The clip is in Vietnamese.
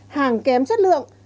hàng kém chất lượng